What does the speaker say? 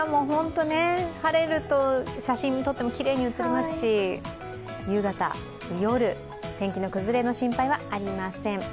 本当に、晴れると写真撮ってもきれいに写りますし、夕方、夜、天気の崩れの心配はありません。